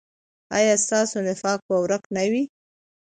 ایا ستاسو نفاق به ورک نه وي؟